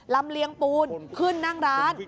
ลำเลียงปูนขึ้นนั่งร้าน